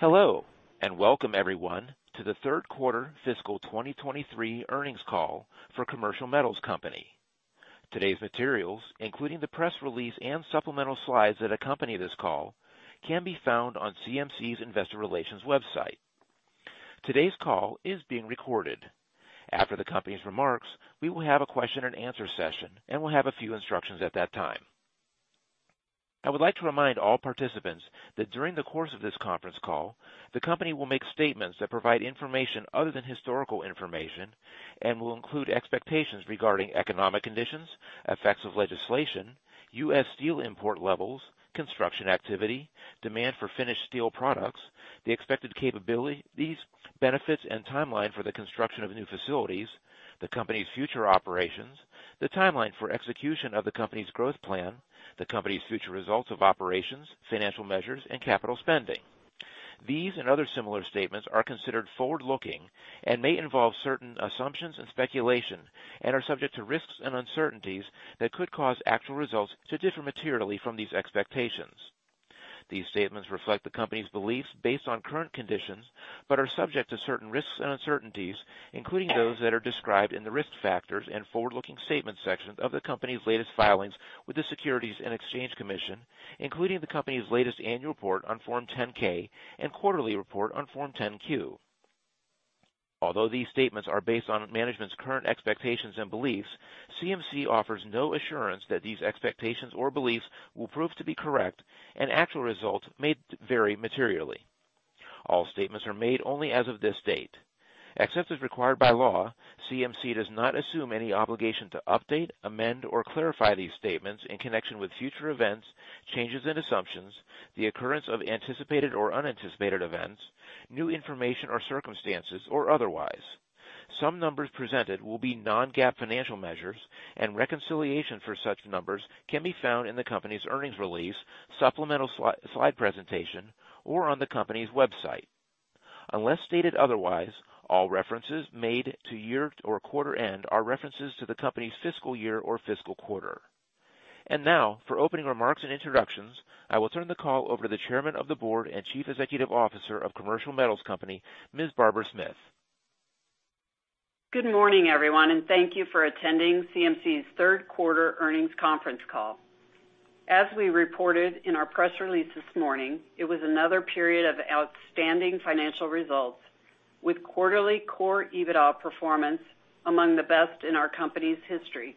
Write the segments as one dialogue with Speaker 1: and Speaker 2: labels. Speaker 1: Hello, welcome, everyone, to the third quarter, fiscal 2023 earnings call for Commercial Metals Company. Today's materials, including the press release and supplemental slides that accompany this call, can be found on CMC's Investor Relations website. Today's call is being recorded. After the company's remarks, we will have a question-and-answer session, and we'll have a few instructions at that time. I would like to remind all participants that during the course of this conference call, the company will make statements that provide information other than historical information and will include expectations regarding economic conditions, effects of legislation, US steel import levels, construction activity, demand for finished steel products, the expected capabilities, benefits, and timeline for the construction of new facilities, the company's future operations, the timeline for execution of the company's growth plan, the company's future results of operations, financial measures, and capital spending. These and other similar statements are considered forward-looking and may involve certain assumptions and speculation, and are subject to risks and uncertainties that could cause actual results to differ materially from these expectations. These statements reflect the company's beliefs based on current conditions, but are subject to certain risks and uncertainties, including those that are described in the Risk Factors and Forward Looking Statements sections of the company's latest filings with the Securities and Exchange Commission, including the company's latest annual report on Form 10-K and quarterly report on Form 10-Q. Although these statements are based on management's current expectations and beliefs, CMC offers no assurance that these expectations or beliefs will prove to be correct, and actual results may vary materially. All statements are made only as of this date. Except as required by law, CMC does not assume any obligation to update, amend, or clarify these statements in connection with future events, changes in assumptions, the occurrence of anticipated or unanticipated events, new information or circumstances, or otherwise. Some numbers presented will be non-GAAP financial measures, and reconciliation for such numbers can be found in the company's earnings release, supplemental slide presentation, or on the company's website. Unless stated otherwise, all references made to year or quarter end are references to the company's fiscal year or fiscal quarter. Now, for opening remarks and introductions, I will turn the call over to the Chairman of the Board and Chief Executive Officer of Commercial Metals Company, Ms. Barbara Smith.
Speaker 2: Good morning, everyone, thank you for attending CMC's third quarter earnings conference call. As we reported in our press release this morning, it was another period of outstanding financial results, with quarterly core EBITDA performance among the best in our company's history.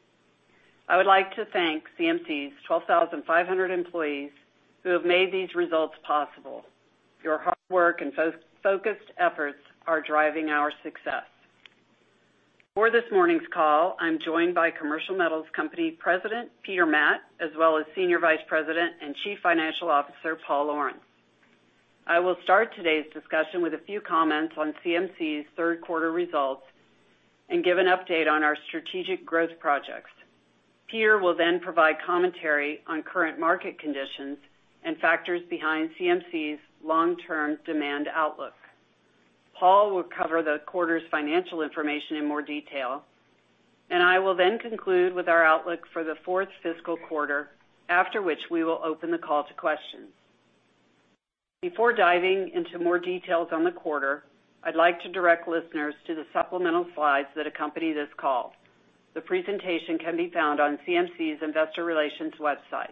Speaker 2: I would like to thank CMC's 12,500 employees who have made these results possible. Your hard work and focused efforts are driving our success. For this morning's call, I'm joined by Commercial Metals Company President, Peter Matt, as well as Senior Vice President and Chief Financial Officer, Paul Lawrence. I will start today's discussion with a few comments on CMC's third quarter results and give an update on our strategic growth projects. Peter will provide commentary on current market conditions and factors behind CMC's long-term demand outlook. Paul Lawrence will cover the quarter's financial information in more detail. I will then conclude with our outlook for the fourth fiscal quarter, after which we will open the call to questions. Before diving into more details on the quarter, I'd like to direct listeners to the supplemental slides that accompany this call. The presentation can be found on CMC's Investor Relations website.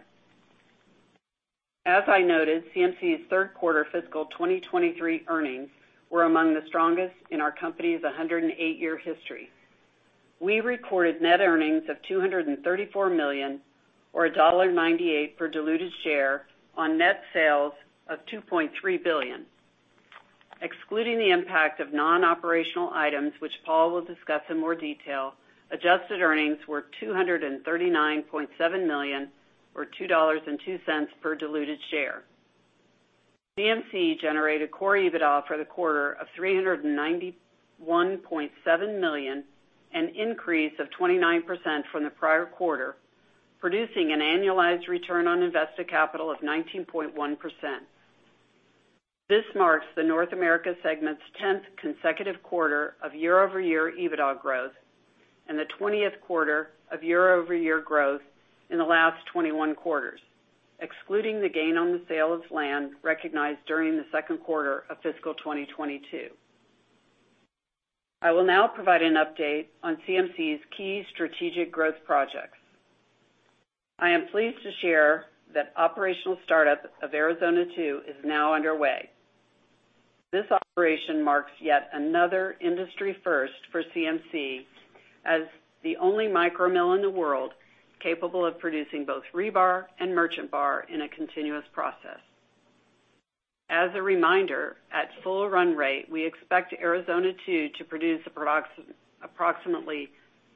Speaker 2: As I noted, CMC's third quarter fiscal 2023 earnings were among the strongest in our company's 108-year history. We recorded net earnings of $234 million, or $1.98 per diluted share on net sales of $2.3 billion. Excluding the impact of non-operational items, which Paul Lawrence will discuss in more detail, adjusted earnings were $239.7 million, or $2.02 per diluted share. CMC, generated core EBITDA for the quarter of $391.7 million, an increase of 29% from the prior quarter, producing an annualized return on invested capital of 19.1%. This marks the North America segment's 10th consecutive quarter of year-over-year EBITDA growth and the 20th quarter of year-over-year growth in the last 21 quarters, excluding the gain on the sale of land recognized during the second quarter of fiscal 2022. I will now provide an update on CMC's key strategic growth projects. I am pleased to share that operational startup of Arizona 2 is now underway. This operation marks yet another industry first for CMC as the only micro mill in the world capable of producing both rebar and merchant bar in a continuous process. As a reminder, at full run rate, we expect Arizona 2 to produce approximately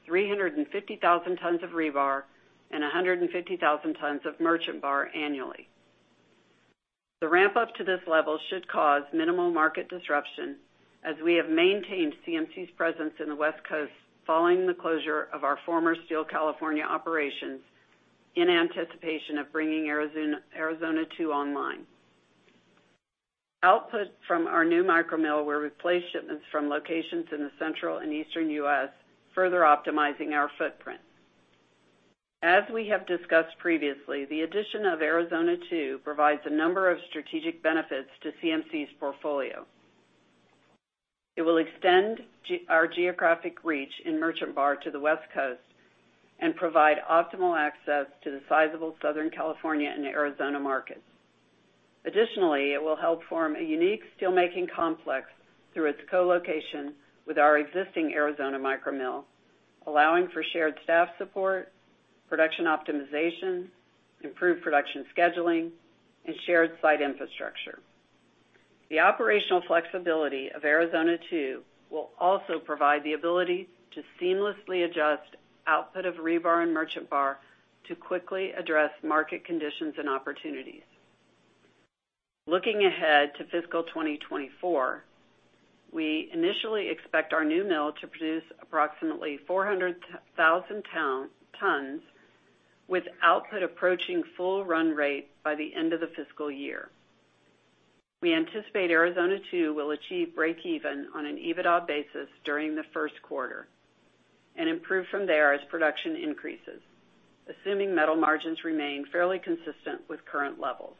Speaker 2: 350,000 tons of rebar and 150,000 tons of merchant bar annually. The ramp-up to this level should cause minimal market disruption, as we have maintained CMC's presence in the West Coast following the closure of our former Steel California operations in anticipation of bringing Arizona 2 online. Output from our new micro mill will replace shipments from locations in the Central and Eastern US, further optimizing our footprint. As we have discussed previously, the addition of Arizona 2 provides a number of strategic benefits to CMC's portfolio. It will extend our geographic reach in merchant bar to the West Coast and provide optimal access to the sizable Southern California and Arizona markets. Additionally, it will help form a unique steelmaking complex through its co-location with our existing Arizona micro mill, allowing for shared staff support, production optimization, improved production scheduling, and shared site infrastructure. The operational flexibility of Arizona 2 will also provide the ability to seamlessly adjust output of rebar and merchant bar to quickly address market conditions and opportunities. Looking ahead to fiscal 2024, we initially expect our new mill to produce approximately 400,000 tons, with output approaching full run rate by the end of the fiscal year. We anticipate Arizona 2 will achieve breakeven on an EBITDA basis during the first quarter and improve from there as production increases, assuming metal margins remain fairly consistent with current levels.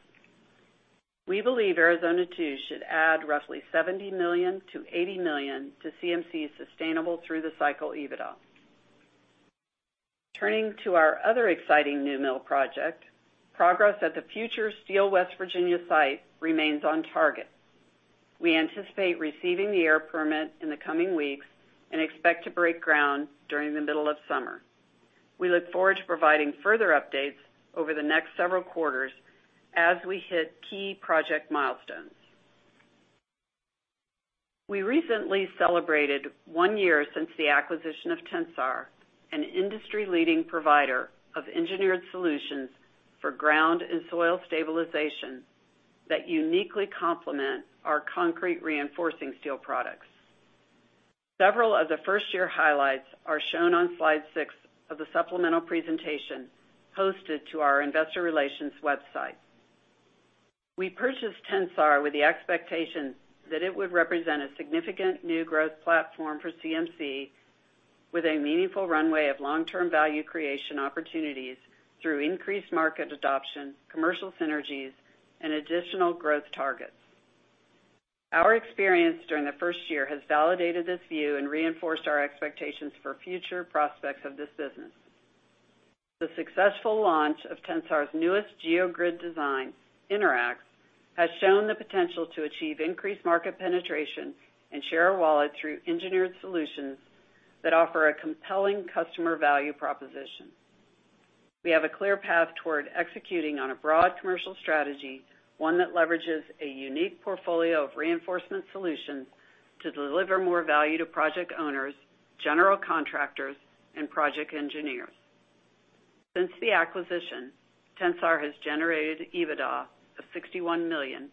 Speaker 2: We believe Arizona 2 should add roughly $70 million-$80 million to CMC's sustainable through the cycle EBITDA. Turning to our other exciting new mill project, progress at the future Steel West Virginia site remains on target. We anticipate receiving the air permit in the coming weeks and expect to break ground during the middle of summer. We look forward to providing further updates over the next several quarters as we hit key project milestones. We recently celebrated one year since the acquisition of Tensar, an industry-leading provider of engineered solutions for ground and soil stabilization that uniquely complement our concrete reinforcing steel products. Several of the first-year highlights are shown on slide 6 of the supplemental presentation, posted to our investor relations website. We purchased Tensar with the expectation that it would represent a significant new growth platform for CMC, with a meaningful runway of long-term value creation opportunities through increased market adoption, commercial synergies, and additional growth targets. Our experience during the first year has validated this view and reinforced our expectations for future prospects of this business. The successful launch of Tensar's newest geogrid design, InterAx, has shown the potential to achieve increased market penetration and share of wallet through engineered solutions that offer a compelling customer value proposition. We have a clear path toward executing on a broad commercial strategy, one that leverages a unique portfolio of reinforcement solutions to deliver more value to project owners, general contractors, and project engineers. Since the acquisition, Tensar has generated EBITDA of $61 million,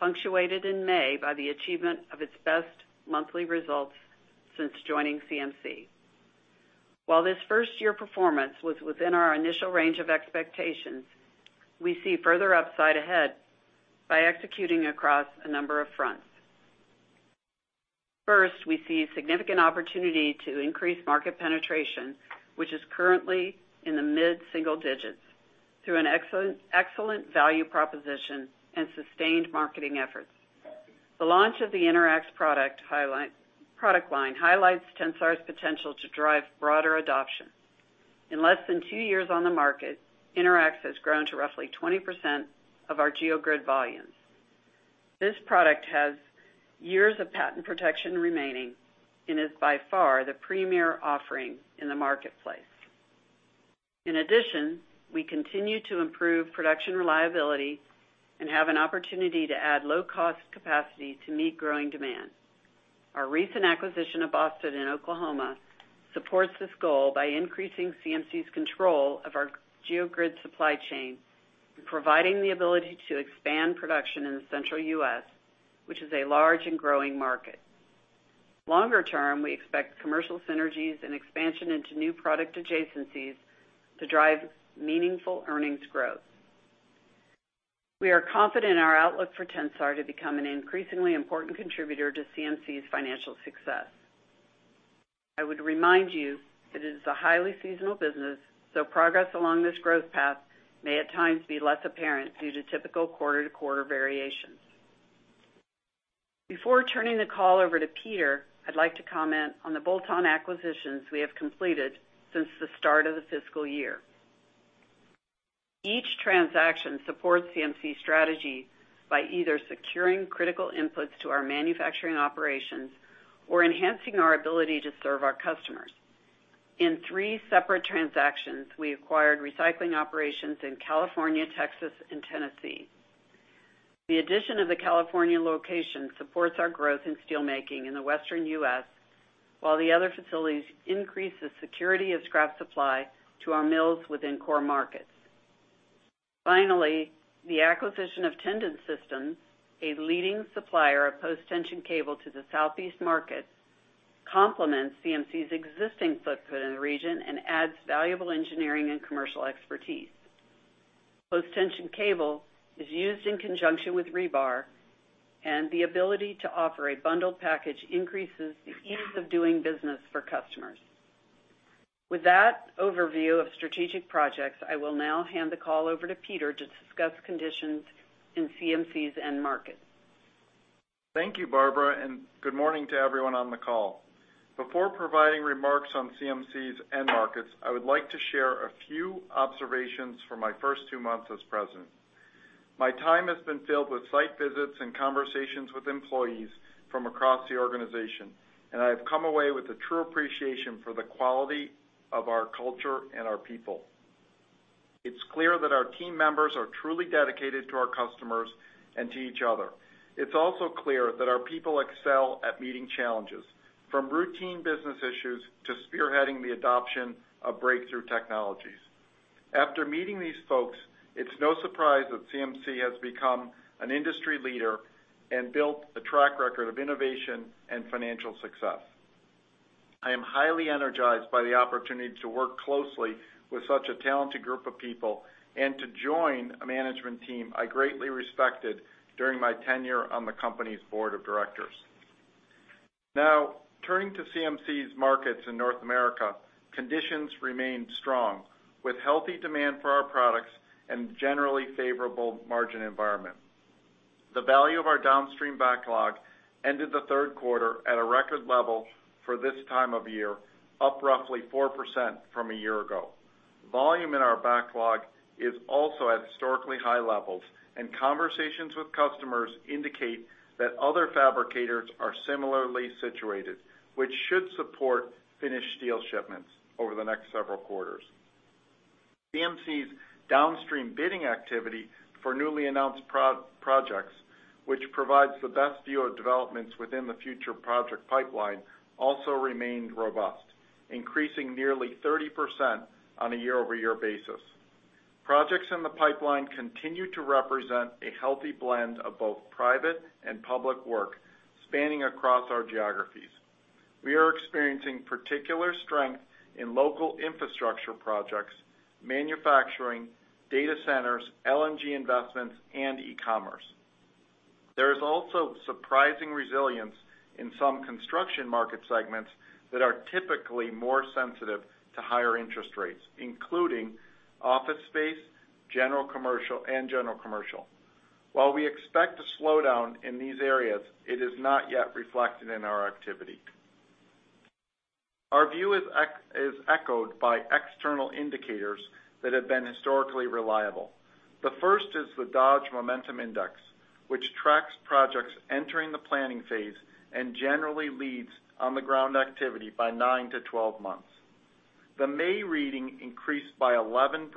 Speaker 2: punctuated in May by the achievement of its best monthly results since joining CMC. While this first-year performance was within our initial range of expectations, we see further upside ahead by executing across a number of fronts. First, we see significant opportunity to increase market penetration, which is currently in the mid-single digits, through an excellent value proposition and sustained marketing efforts. The launch of the InterAx product line highlights Tensar's potential to drive broader adoption. In less than two years on the market, InterAx has grown to roughly 20% of our geogrid volumes. This product has years of patent protection remaining and is by far the premier offering in the marketplace. In addition, we continue to improve production reliability and have an opportunity to add low-cost capacity to meet growing demand. Our recent acquisition of BOSTD in Oklahoma supports this goal by increasing CMC's control of our geogrid supply chain and providing the ability to expand production in the central US, which is a large and growing market. Longer term, we expect commercial synergies and expansion into new product adjacencies to drive meaningful earnings growth. We are confident in our outlook for Tensar to become an increasingly important contributor to CMC's financial success. I would remind you that it is a highly seasonal business. Progress along this growth path may at times be less apparent due to typical quarter-to-quarter variations. Before turning the call over to Peter, I'd like to comment on the bolt-on acquisitions we have completed since the start of the fiscal year. Each transaction supports CMC's strategy by either securing critical inputs to our manufacturing operations or enhancing our ability to serve our customers. In three separate transactions, we acquired recycling operations in California, Texas, and Tennessee. The addition of the California location supports our growth in steelmaking in the western US, while the other facilities increase the security of scrap supply to our mills within core markets. Finally, the acquisition of Tendon Systems, a leading supplier of post-tension cable to the Southeast market, complements CMC's existing footprint in the region and adds valuable engineering and commercial expertise. Post-tension cable is used in conjunction with rebar. The ability to offer a bundled package increases the ease of doing business for customers. With that overview of strategic projects, I will now hand the call over to Peter to discuss conditions in CMC's end markets.
Speaker 3: Thank you, Barbara. Good morning to everyone on the call. Before providing remarks on CMC's end markets, I would like to share a few observations from my first two months as president. My time has been filled with site visits and conversations with employees from across the organization. I have come away with a true appreciation for the quality of our culture and our people. It's clear that our team members are truly dedicated to our customers and to each other. It's also clear that our people excel at meeting challenges, from routine business issues to spearheading the adoption of breakthrough technologies. After meeting these folks, it's no surprise that CMC has become an industry leader and built a track record of innovation and financial success. I am highly energized by the opportunity to work closely with such a talented group of people and to join a management team I greatly respected during my tenure on the company's board of directors. Turning to CMC's markets in North America, conditions remain strong, with healthy demand for our products and generally favorable margin environment. The value of our downstream backlog ended the third quarter at a record level for this time of year, up roughly 4% from a year ago. Volume in our backlog is also at historically high levels, conversations with customers indicate that other fabricators are similarly situated, which should support finished steel shipments over the next several quarters. CMC's downstream bidding activity for newly announced projects, which provides the best view of developments within the future project pipeline, also remained robust, increasing nearly 30% on a year-over-year basis. Projects in the pipeline continue to represent a healthy blend of both private and public work, spanning across our geographies. We are experiencing particular strength in local infrastructure projects, manufacturing, data centers, LNG investments, and e-commerce. There is also surprising resilience in some construction market segments that are typically more sensitive to higher interest rates, including office space, general, commercial, and general commercial. While we expect to slow down in these areas, it is not yet reflected in our activity. Our view is echoed by external indicators that have been historically reliable. The first is the Dodge Momentum Index, which tracks projects entering the planning phase and generally leads on-the-ground activity by nine to 12 months. The May reading increased by 11%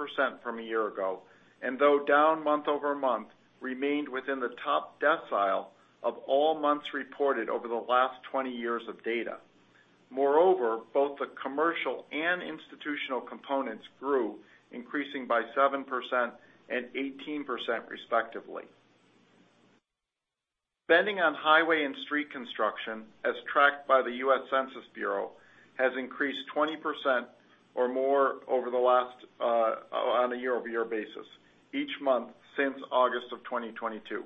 Speaker 3: from a year ago, and though down month-over-month, remained within the top decile of all months reported over the last 20 years of data. Moreover, both the commercial and institutional components grew, increasing by 7% and 18%, respectively. Spending on highway and street construction, as tracked by the US Census Bureau, has increased 20% or more over the last, on a year-over-year basis each month since August of 2022.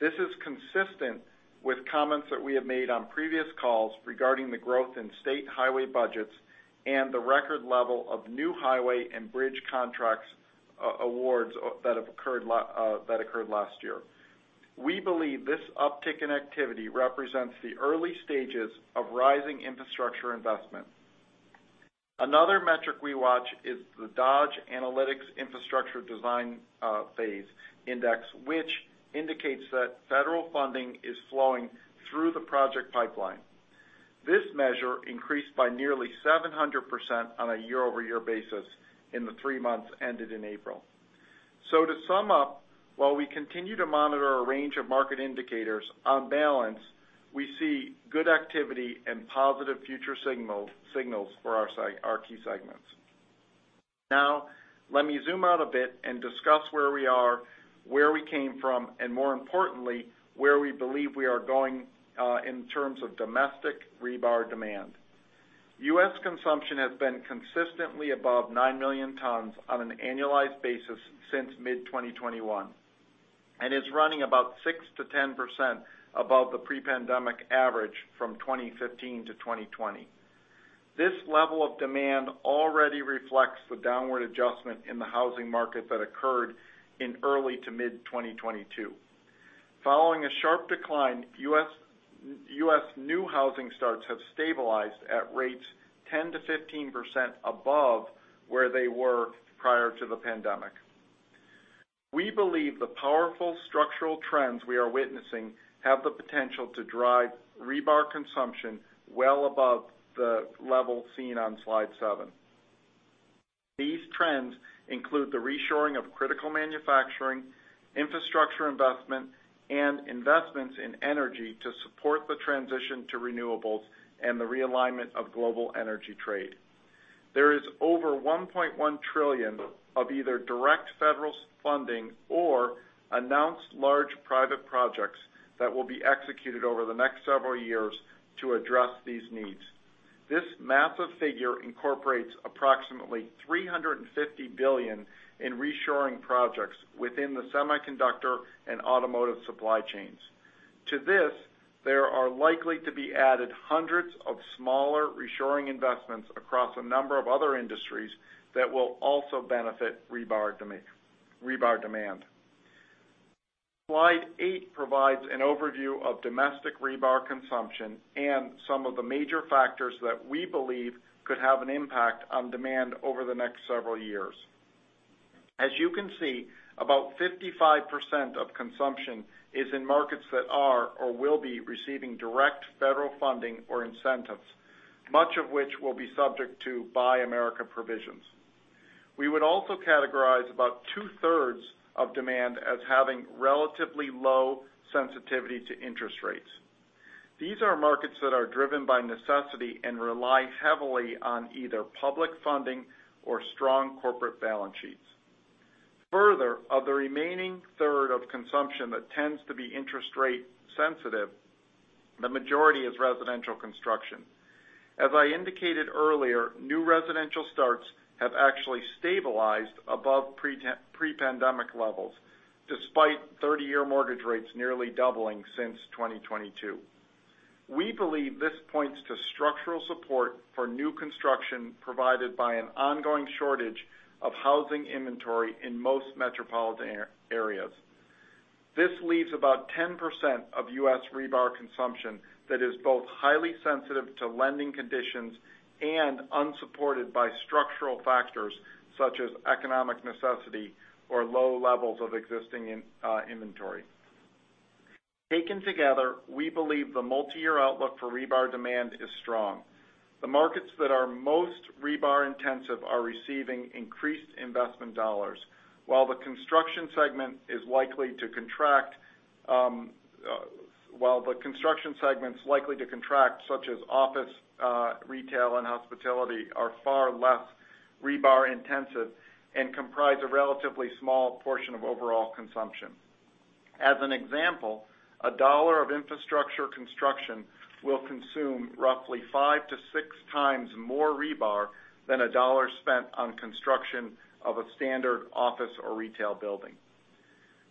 Speaker 3: This is consistent with comments that we have made on previous calls regarding the growth in state highway budgets and the record level of new highway and bridge contracts, awards, that have occurred last year. We believe this uptick in activity represents the early stages of rising infrastructure investment. Another metric we watch is the Dodge Analytics Infrastructure Design phase index, which indicates that federal funding is flowing through the project pipeline. This measure increased by nearly 700% on a year-over-year basis in the three months ended in April. To sum up, while we continue to monitor a range of market indicators, on balance, we see good activity and positive future signals for our key segments. Now, let me zoom out a bit and discuss where we are, where we came from, and more importantly, where we believe we are going in terms of domestic rebar demand. US consumption has been consistently above nine million tons on an annualized basis since mid-2021, and is running about 6%-10% above the pre-pandemic average from 2015-2020. This level of demand already reflects the downward adjustment in the housing market that occurred in early to mid-2022. Following a sharp decline, US new housing starts have stabilized at rates 10%-15% above where they were prior to the pandemic. We believe the powerful structural trends we are witnessing have the potential to drive rebar consumption well above the level seen on slide seven. These trends include the reshoring of critical manufacturing, infrastructure investment, and investments in energy to support the transition to renewables and the realignment of global energy trade. There is over $1.1 trillion of either direct federal funding or announced large private projects that will be executed over the next several years to address these needs. This massive figure incorporates approximately $350 billion in reshoring projects within the semiconductor and automotive supply chains. To this, there are likely to be added hundreds of smaller reshoring investments across a number of other industries that will also benefit rebar demand. Slide eight provides an overview of domestic rebar consumption and some of the major factors that we believe could have an impact on demand over the next several years. As you can see, about 55% of consumption is in markets that are or will be receiving direct federal funding or incentives, much of which will be subject to Buy America provisions. We would also categorize about two-third's of demand as having relatively low sensitivity to interest rates. These are markets that are driven by necessity and rely heavily on either public funding or strong corporate balance sheets. Further, of the remaining 1/3 of consumption that tends to be interest rate sensitive, the majority is residential construction. As I indicated earlier, new residential starts have actually stabilized above pre-pandemic levels, despite 30-year mortgage rates nearly doubling since 2022. We believe this points to structural support for new construction provided by an ongoing shortage of housing inventory in most metropolitan areas. This leaves about 10% of US rebar consumption that is both highly sensitive to lending conditions and unsupported by structural factors such as economic necessity or low levels of existing inventory. Taken together, we believe the multiyear outlook for rebar demand is strong. The markets that are most rebar-intensive are receiving increased investment dollars, while the construction segment is likely to contract, such as office, retail, and hospitality, are far less rebar-intensive and comprise a relatively small portion of overall consumption. As an example, $1 of infrastructure construction will consume roughly five to six times more rebar than $1 spent on construction of a standard office or retail building.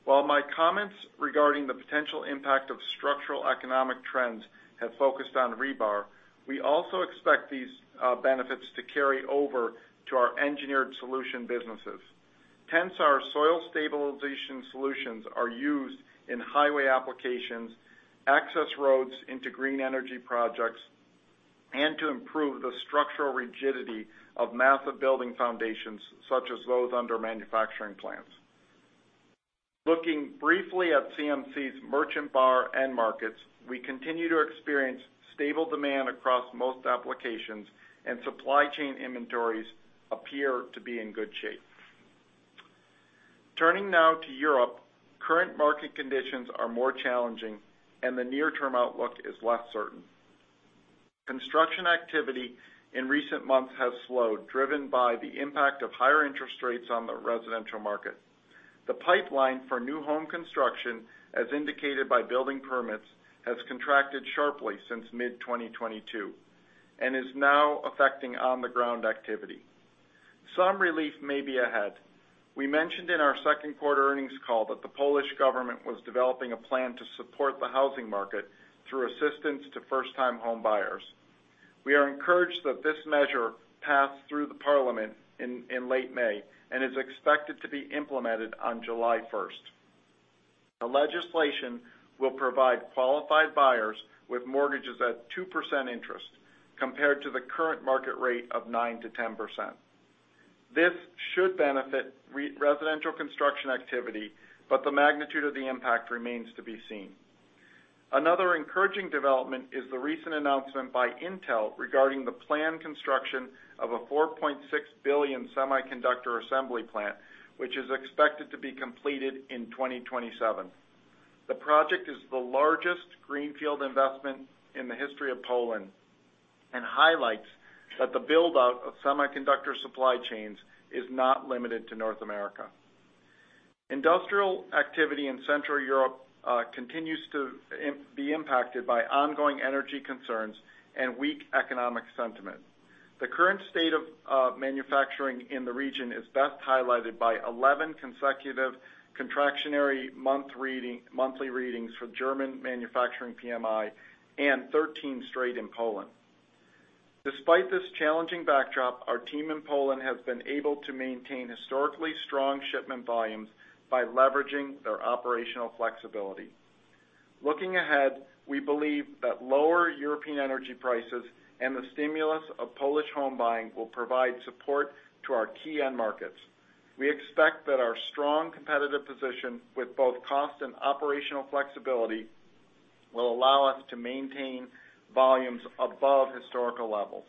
Speaker 3: While my comments regarding the potential impact of structural economic trends have focused on rebar, we also expect these benefits to carry over to our engineered solution businesses. Our soil stabilization solutions are used in highway applications, access roads into green energy projects, and to improve the structural rigidity of massive building foundations, such as those under manufacturing plants. Looking briefly at CMC's merchant bar end markets, we continue to experience stable demand across most applications, and supply chain inventories appear to be in good shape. Turning now to Europe, current market conditions are more challenging, and the near-term outlook is less certain. Construction activity in recent months has slowed, driven by the impact of higher interest rates on the residential market. The pipeline for new home construction, as indicated by building permits, has contracted sharply since mid-2022 and is now affecting on-the-ground activity. Some relief may be ahead. We mentioned in our second quarter earnings call that the Polish government was developing a plan to support the housing market through assistance to first-time home buyers. We are encouraged that this measure passed through the parliament in late May and is expected to be implemented on July 1st. The legislation will provide qualified buyers with mortgages at 2% interest, compared to the current market rate of 9%-10%. This should benefit residential construction activity, but the magnitude of the impact remains to be seen. Another encouraging development is the recent announcement by Intel regarding the planned construction of a $4.6 billion semiconductor assembly plant, which is expected to be completed in 2027. The project is the largest greenfield investment in the history of Poland and highlights that the build-out of semiconductor supply chains is not limited to North America. Industrial activity in Central Europe continues to be impacted by ongoing energy concerns and weak economic sentiment. The current state of manufacturing in the region is best highlighted by 11 consecutive contractionary monthly readings for German manufacturing PMI and 13 straight in Poland. Despite this challenging backdrop, our team in Poland has been able to maintain historically strong shipment volumes by leveraging their operational flexibility. Looking ahead, we believe that lower European energy prices and the stimulus of Polish home buying will provide support to our key end markets. We expect that our strong competitive position with both cost and operational flexibility will allow us to maintain volumes above historical levels.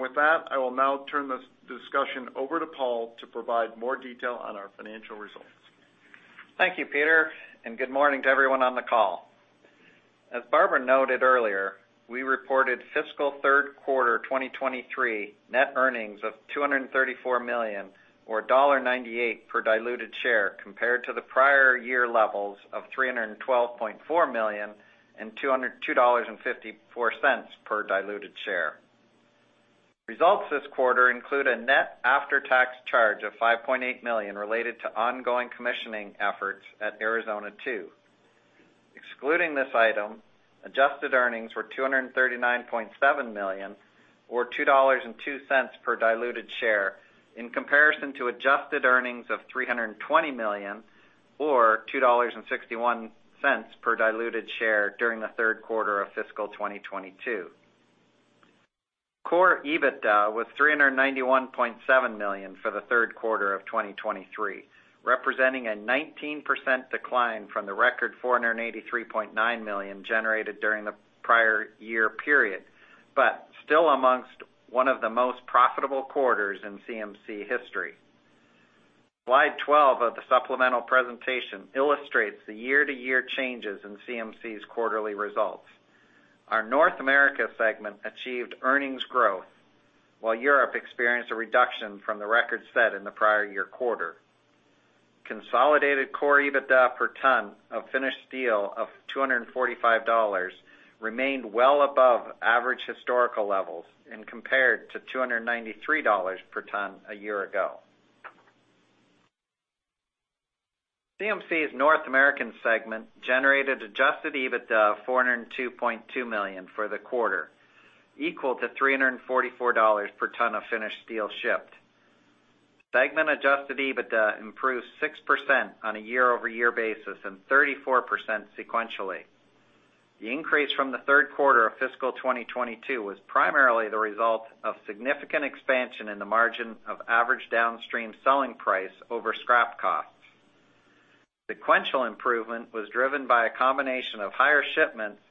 Speaker 3: With that, I will now turn this discussion over to Paul to provide more detail on our financial results.
Speaker 4: Thank you, Peter, and good morning to everyone on the call. As Barbara noted earlier, we reported fiscal third quarter 2023 net earnings of $234 million, or $1.98 per diluted share, compared to the prior year levels of $312.4 million and $2.54 per diluted share. Results this quarter include a net after-tax charge of $5.8 million related to ongoing commissioning efforts at Arizona 2. Excluding this item, adjusted earnings were $239.7 million, or $2.02 per diluted share, in comparison to adjusted earnings of $320 million, or $2.61 per diluted share during the third quarter of fiscal 2022. core EBITDA was $391.7 million for the third quarter of 2023, representing a 19% decline from the record $483.9 million generated during the prior year period, but still amongst one of the most profitable quarters in CMC history. Slide 12 of the supplemental presentation illustrates the year-to-year changes in CMC's quarterly results. Our North America segment achieved earnings growth, while Europe experienced a reduction from the record set in the prior year quarter. Consolidated core EBITDA per ton of finished steel of $245 remained well above average historical levels and compared to $293 per ton a year ago. CMC's North American segment generated adjusted EBITDA of $402.2 million for the quarter, equal to $344 per ton of finished steel shipped. Segment adjusted EBITDA improved 6% on a year-over-year basis and 34% sequentially. The increase from the third quarter of fiscal 2022 was primarily the result of significant expansion in the margin of average downstream selling price over scrap costs. Sequential improvement was driven by a combination of higher shipments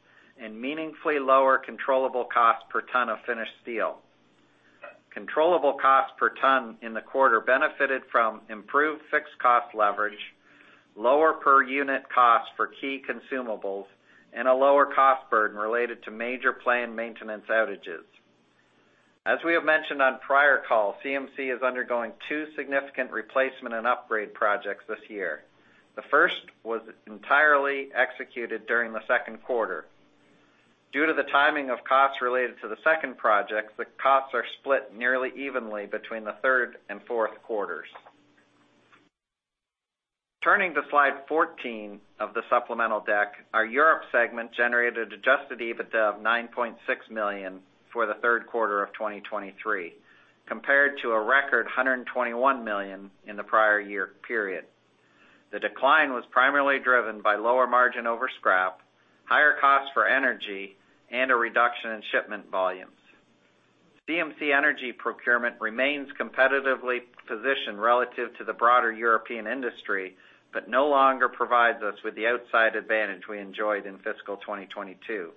Speaker 4: and meaningfully lower controllable costs per ton of finished steel. Controllable costs per ton in the quarter benefited from improved fixed cost leverage, lower per unit costs for key consumables, and a lower cost burden related to major plant maintenance outages. As we have mentioned on prior calls, CMC is undergoing two significant replacement and upgrade projects this year. The first was entirely executed during the second quarter. Due to the timing of costs related to the second project, the costs are split nearly evenly between the third and fourth quarters. Turning to slide 14 of the supplemental deck, our Europe segment generated adjusted EBITDA of $9.6 million for the third quarter of 2023, compared to a record $121 million in the prior year period. The decline was primarily driven by lower margin over scrap, higher costs for energy, and a reduction in shipment volumes. CMC energy procurement remains competitively positioned relative to the broader European industry, but no longer provides us with the outside advantage we enjoyed in fiscal 2022.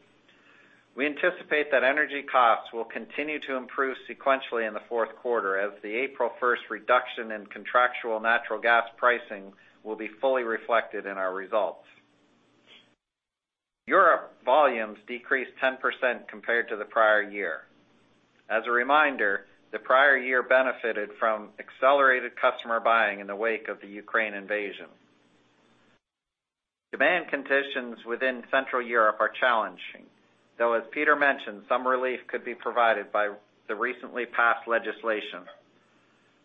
Speaker 4: We anticipate that energy costs will continue to improve sequentially in the fourth quarter, as the April 1st reduction in contractual natural gas pricing will be fully reflected in our results. Europe volumes decreased 10% compared to the prior year. As a reminder, the prior year benefited from accelerated customer buying in the wake of the Ukraine invasion. Demand conditions within Central Europe are challenging, though, as Peter mentioned, some relief could be provided by the recently passed legislation.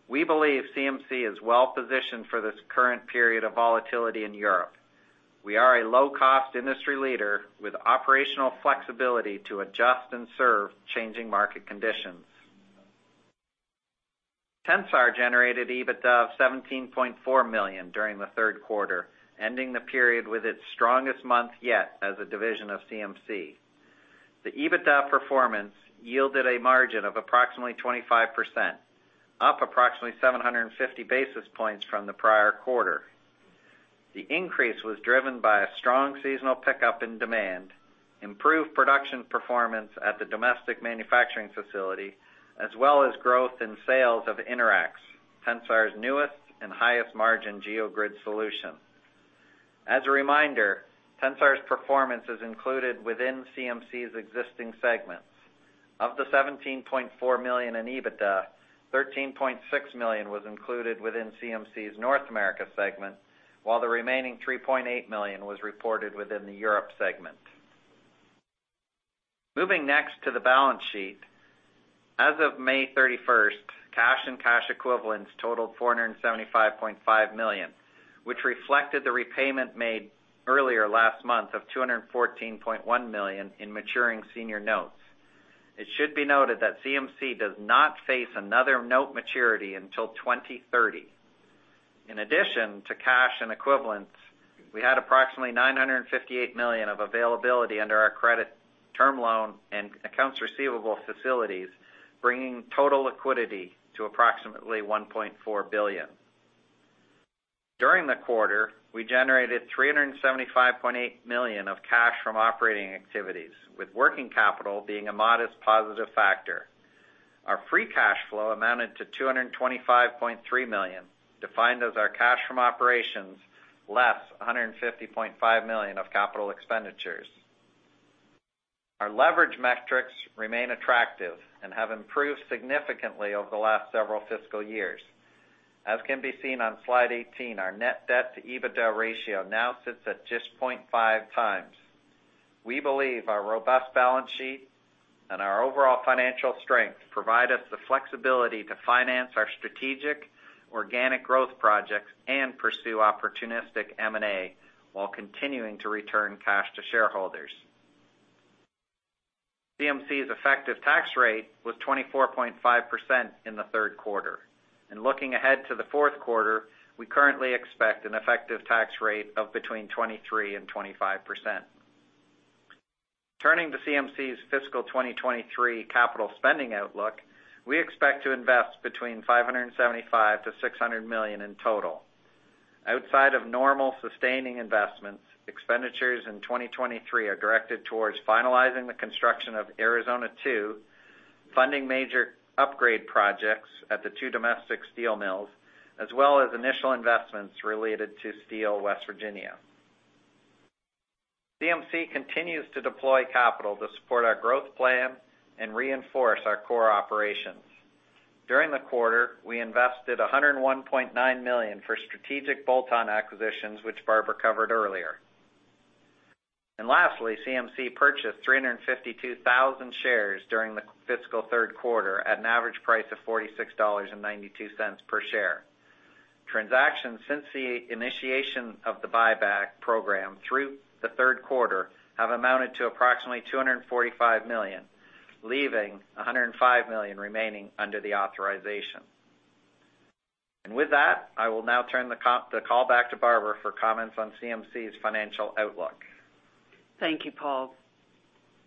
Speaker 4: We believe CMC is well positioned for this current period of volatility in Europe. We are a low-cost industry leader with operational flexibility to adjust and serve changing market conditions. Tensar generated EBITDA of $17.4 million during the third quarter, ending the period with its strongest month yet as a division of CMC. The EBITDA performance yielded a margin of approximately 25%, up approximately 750 basis points from the prior quarter. The increase was driven by a strong seasonal pickup in demand, improved production performance at the domestic manufacturing facility, as well as growth in sales of InterAx, Tensar's newest and highest-margin geogrid solution. As a reminder, Tensar's performance is included within CMC's existing segments. Of the $17.4 million in EBITDA, $13.6 million was included within CMC's North America segment, while the remaining $3.8 million was reported within the Europe segment. Moving next to the balance sheet. As of May 31st, cash and cash equivalents totaled $475.5 million, which reflected the repayment made earlier last month of $214.1 million in maturing senior notes. It should be noted that CMC does not face another note maturity until 2030. In addition to cash and equivalents, we had approximately $958 million of availability under our credit term loan and accounts receivable facilities, bringing total liquidity to approximately $1.4 billion. During the quarter, we generated $375.8 million of cash from operating activities, with working capital being a modest positive factor. Our free cash flow amounted to $225.3 million, defined as our cash from operations, less $150.5 million of capital expenditures. Our leverage metrics remain attractive and have improved significantly over the last several fiscal years. As can be seen on Slide 18, our net debt to EBITDA ratio now sits at just 0.5 times. We believe our robust balance sheet and our overall financial strength provide us the flexibility to finance our strategic organic growth projects and pursue opportunistic M&A, while continuing to return cash to shareholders. CMC's effective tax rate was 24.5% in the third quarter. Looking ahead to the fourth quarter, we currently expect an effective tax rate of between 23% and 25%. Turning to CMC's fiscal 2023 capital spending outlook, we expect to invest between $575-$600 million in total. Outside of normal sustaining investments, expenditures in 2023 are directed towards finalizing the construction of Arizona 2, funding major upgrade projects at the two domestic steel mills, as well as initial investments related to Steel West Virginia. CMC continues to deploy capital to support our growth plan and reinforce our core operations. During the quarter, we invested $101.9 million for strategic bolt-on acquisitions, which Barbara covered earlier. Lastly, CMC purchased 352,000 shares during the fiscal third quarter at an average price of $46.92 per share. Transactions since the initiation of the buyback program through the third quarter have amounted to approximately $245 million, leaving $105 million remaining under the authorization. With that, I will now turn the call back to Barbara for comments on CMC's financial outlook.
Speaker 2: Thank you, Paul.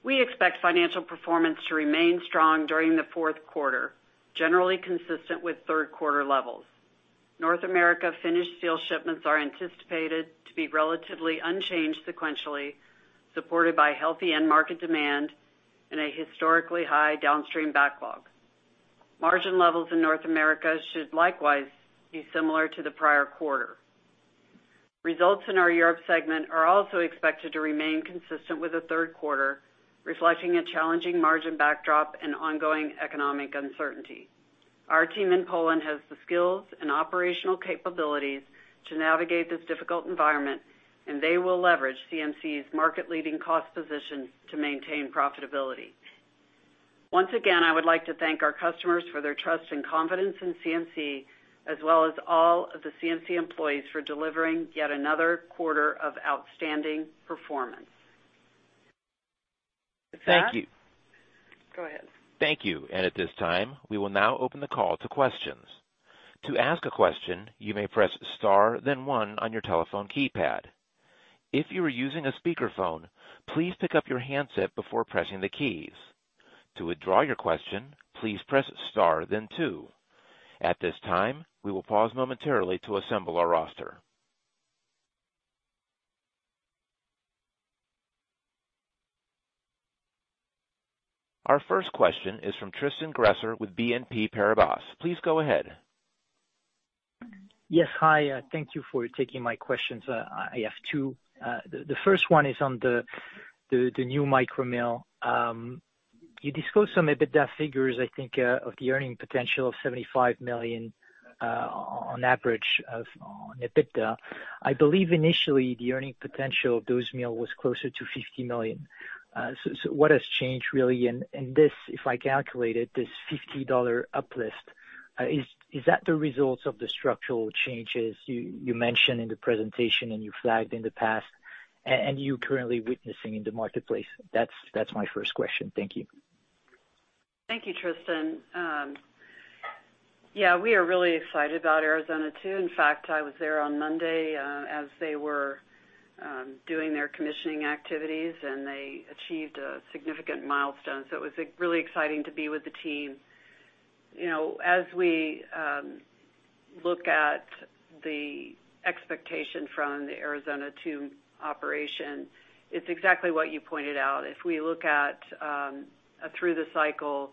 Speaker 2: We expect financial performance to remain strong during the fourth quarter, generally consistent with third quarter levels. North America finished steel shipments are anticipated to be relatively unchanged sequentially, supported by healthy end market demand and a historically high downstream backlog. Margin levels in North America should likewise be similar to the prior quarter. Results in our Europe segment are also expected to remain consistent with the third quarter, reflecting a challenging margin backdrop and ongoing economic uncertainty. Our team in Poland has the skills and operational capabilities to navigate this difficult environment. They will leverage CMC's market-leading cost position to maintain profitability. Once again, I would like to thank our customers for their trust and confidence in CMC, as well as all of the CMC employees for delivering yet another quarter of outstanding performance.
Speaker 1: Thank you.
Speaker 2: Go ahead.
Speaker 1: Thank you. At this time, we will now open the call to questions. To ask a question, you may press star, then one on your telephone keypad. If you are using a speakerphone, please pick up your handset before pressing the keys. To withdraw your question, please press star then two. At this time, we will pause momentarily to assemble our roster. Our first question is from Tristan Gresser with BNP Paribas. Please go ahead.
Speaker 5: Yes, hi. Thank you for taking my questions. I have two. The first one is on the new micro mill. You disclosed some EBITDA figures, I think, of the earning potential of $75 million on average on EBITDA. I believe initially the earning potential of those mill was closer to $50 million. What has changed really? This, if I calculated, this $50 uplift, is that the results of the structural changes you mentioned in the presentation and you flagged in the past, and you're currently witnessing in the marketplace? That's my first question. Thank you.
Speaker 2: Thank you, Tristan. Yeah, we are really excited about Arizona 2. In fact, I was there on Monday, as they were doing their commissioning activities, and they achieved a significant milestone. It was, like, really exciting to be with the team. You know, as we look at the expectation from the Arizona 2 operation, it's exactly what you pointed out. If we look at a through the cycle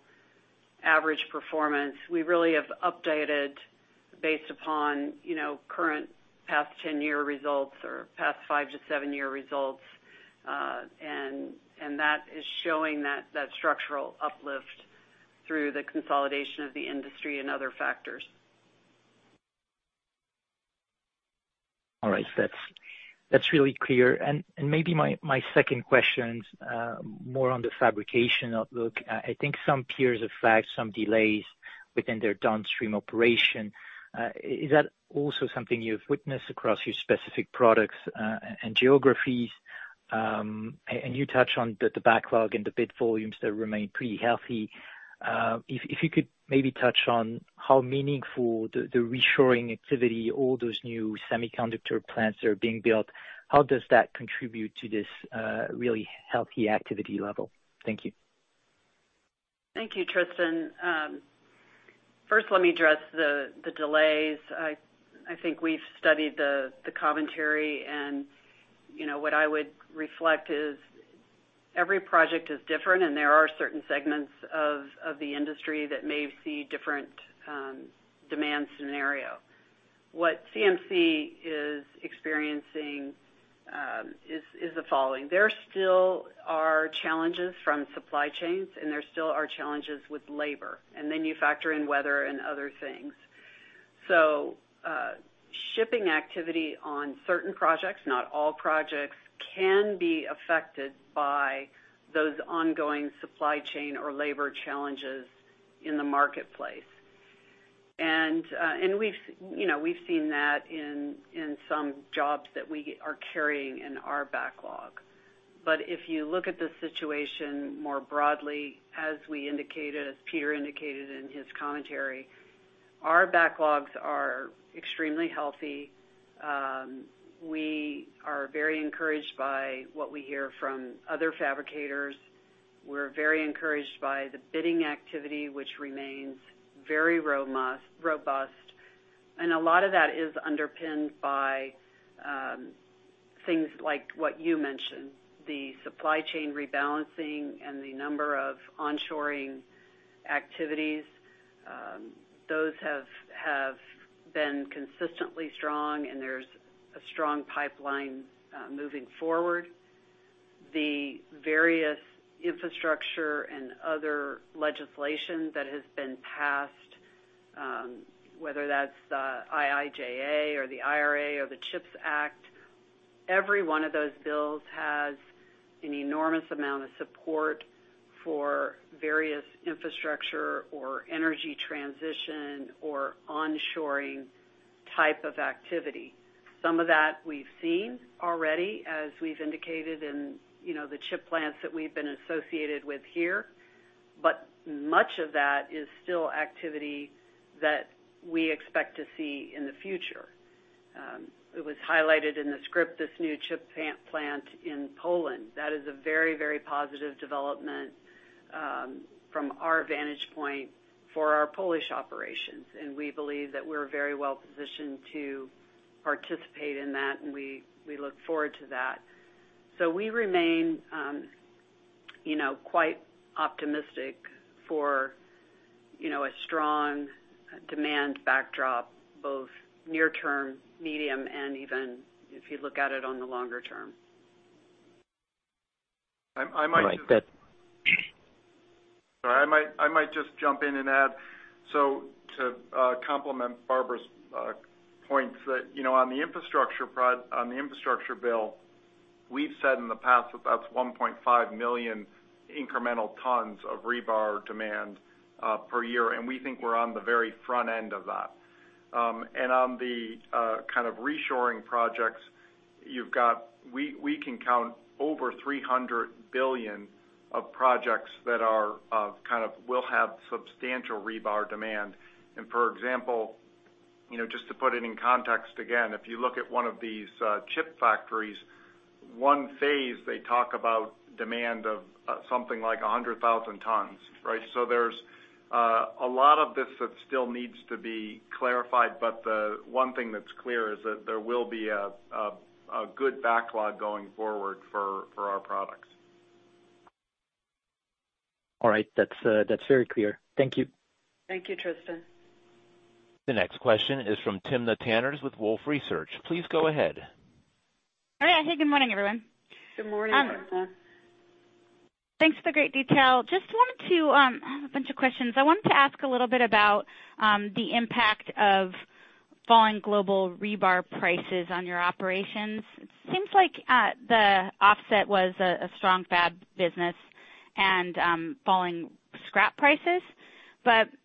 Speaker 2: average performance, we really have updated based upon, you know, current past 10-year results or past 5-7 year results. That is showing that structural uplift through the consolidation of the industry and other factors.
Speaker 5: All right. That's really clear. Maybe my second question, more on the fabrication outlook. I think some peers have flagged some delays within their downstream operation. Is that also something you've witnessed across your specific products and geographies? You touched on the backlog and the bid volumes that remain pretty healthy. If you could maybe touch on how meaningful the reshoring activity, all those new semiconductor plants are being built, how does that contribute to this really healthy activity level? Thank you.
Speaker 2: Thank you, Tristan. First, let me address the delays. I think we've studied the commentary, and, you know, what I would reflect is every project is different, and there are certain segments of the industry that may see different demand scenario. What CMC is experiencing is the following: there still are challenges from supply chains, and there still are challenges with labor, and then you factor in weather and other things. Shipping activity on certain projects, not all projects, can be affected by those ongoing supply chain or labor challenges in the marketplace. We've, you know, we've seen that in some jobs that we are carrying in our backlog. If you look at the situation more broadly, as we indicated, as Peter indicated in his commentary, our backlogs are extremely healthy. We are very encouraged by what we hear from other fabricators. We're very encouraged by the bidding activity, which remains very robust, and a lot of that is underpinned by things like what you mentioned, the supply chain rebalancing and the number of onshoring activities. Those have been consistently strong, and there's a strong pipeline moving forward. The various infrastructure and other legislation that has been passed, whether that's the IIJA or the IRA or the CHIPS Act, every one of those bills has an enormous amount of support for various infrastructure or energy transition or onshoring type of activity. Some of that we've seen already, as we've indicated in, you know, the chip plants that we've been associated with here, but much of that is still activity that we expect to see in the future. It was highlighted in the script, this new chip plant in Poland. That is a very, very positive development from our vantage point for our Polish operations, and we believe that we're very well positioned to participate in that, and we look forward to that. We remain quite optimistic for a strong demand backdrop, both near term, medium, and even if you look at it on the longer term.
Speaker 3: I.
Speaker 5: All right. Good.
Speaker 3: Sorry, I might just jump in and add. To complement Barbara's points that, you know, on the Infrastructure Bill, we've said in the past, that's 1.5 million incremental tons of rebar demand per year, and we think we're on the very front end of that. On the kind of reshoring projects, we can count over 300 billion of projects that are kind of will have substantial rebar demand. For example, you know, just to put it in context again, if you look at one of these chip factories, one phase, they talk about demand of something like 100,000 tons, right? There's a lot of this that still needs to be clarified, but the one thing that's clear is that there will be a good backlog going forward for our products.
Speaker 5: All right. That's very clear. Thank you.
Speaker 2: Thank you, Tristan.
Speaker 1: The next question is from Timna Tanners with Wolfe Research. Please go ahead.
Speaker 6: Hi, hey, good morning, everyone.
Speaker 2: Good morning, Timna.
Speaker 6: Thanks for the great detail. I have a bunch of questions. I wanted to ask a little bit about the impact of falling global rebar prices on your operations. It seems like the offset was a strong fab business and falling scrap prices.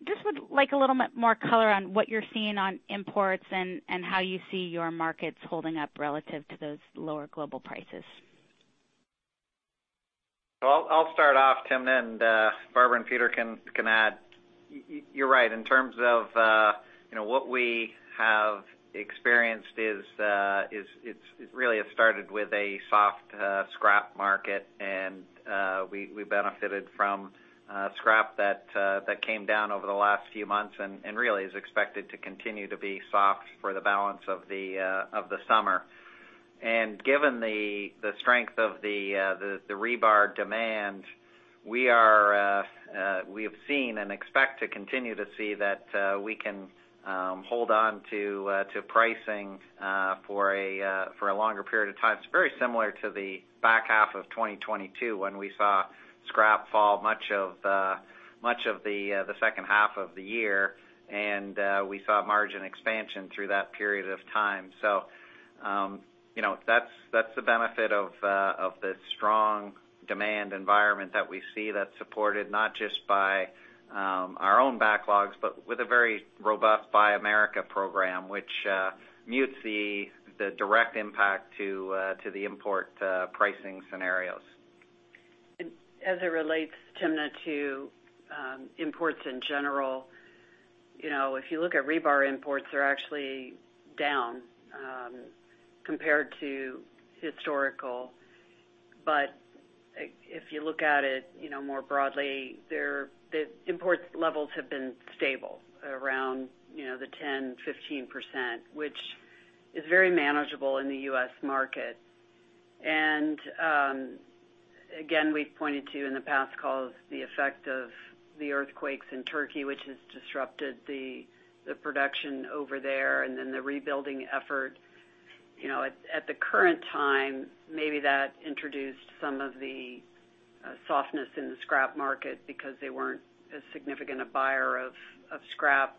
Speaker 6: Just would like a little more color on what you're seeing on imports and how you see your markets holding up relative to those lower global prices?
Speaker 4: Well, I'll start off, Timna, and Barbara and Peter can add. You're right, in terms of, you know, what we have experienced is it's, it really has started with a soft scrap market, and we benefited from scrap that came down over the last few months and really is expected to continue to be soft for the balance of the summer. Given the strength of the rebar demand, we are, we have seen and expect to continue to see that we can hold on to pricing for a longer period of time. It's very similar to the back half of 2022, when we saw scrap fall much of much of the second half of the year, and we saw margin expansion through that period of time. You know, that's the benefit of the strong demand environment that we see that's supported not just by our own backlogs, but with a very robust Buy America program, which mutes the direct impact to the import pricing scenarios.
Speaker 2: As it relates, Timna, to imports in general, you know, if you look at rebar imports, they're actually down compared to historical. If you look at it, you know, more broadly, the import levels have been stable around, you know, the 10%-15%, which is very manageable in the US market. Again, we've pointed to, in the past calls, the effect of the earthquakes in Turkey, which has disrupted the production over there and then the rebuilding effort. You know, at the current time, maybe that introduced some of the softness in the scrap market because they weren't as significant a buyer of scrap.